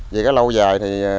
vì cái lâu dài thì